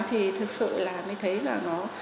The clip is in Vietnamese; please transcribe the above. thì thực sự là mới thấy là